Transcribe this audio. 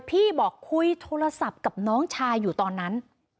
พี่บอกคุยโทรศัพท์กับน้องชายอยู่ตอนนั้น